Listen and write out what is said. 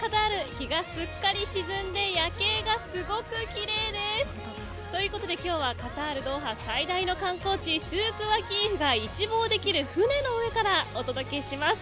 日がすっかり沈んで夜景がすごくきれいです。ということで今日はカタール、ドーハの観光地スークワキーフが一望できる船の上からお届けします。